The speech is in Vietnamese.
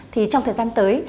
thì trong thời gian tới